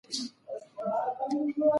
چي هر څوک سي بې عزته نوم یې ورک سي